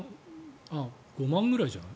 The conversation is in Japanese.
５万ぐらいじゃない？